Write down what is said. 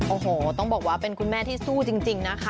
โอ้โหต้องบอกว่าเป็นคุณแม่ที่สู้จริงนะคะ